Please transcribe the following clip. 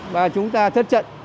và chúng ta thất trận